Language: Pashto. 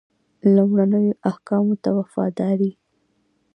لومړنیو احکامو ته وفاداري.